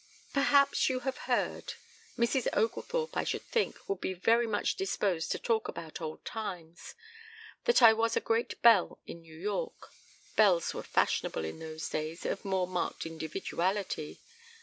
"Perhaps you have heard Mrs. Oglethorpe, I should think, would be very much disposed to talk about old times that I was a great belle in New York belles were fashionable in those days of more marked individuality.